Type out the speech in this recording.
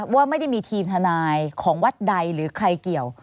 ว่าไม่ได้มีทีมทนายของวัดใดหรือใครเกี่ยว